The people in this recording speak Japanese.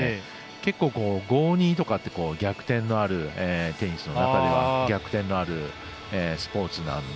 結構、５−２とかって逆転のあるテニスの中では逆転のあるスポーツなので。